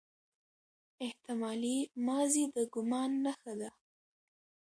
احتمالي ماضي د ګومان نخښه ده.